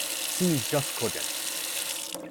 See jus cogens.